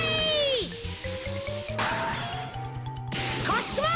こっちも！